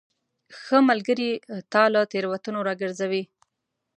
ښه ملګری تا له تیروتنو راګرځوي.